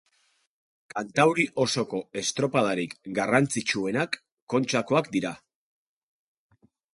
Kantauri osoko estropadarik garrantzitsuenak Kontxakoak dira.